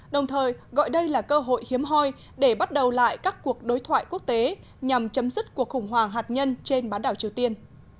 đồng thời gọi đây là cơ hội hiếm hoi để bắt đầu lại các cuộc đối thoại quốc tế nhằm chấm dứt cuộc khủng hoảng hạt nhân trên bán đảo triều tiên